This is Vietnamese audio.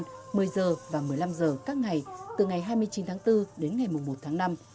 một mươi h và một mươi năm h các ngày từ ngày hai mươi chín tháng bốn đến ngày một tháng năm